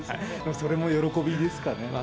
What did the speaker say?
それも喜びですかね。